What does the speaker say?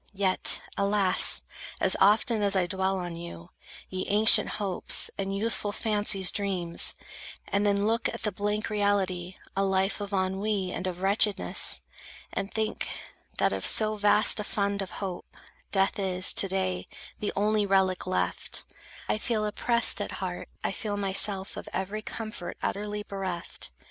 Yet, Alas! as often as I dwell on you, Ye ancient hopes, and youthful fancy's dreams, And then look at the blank reality, A life of ennui and of wretchedness; And think, that of so vast a fund of hope, Death is, to day, the only relic left, I feel oppressed at heart, I feel myself Of every comfort utterly bereft.